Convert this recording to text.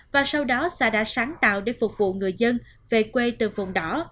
và sau đó sa đã sáng tạo để phục vụ người dân về quê từ vùng đỏ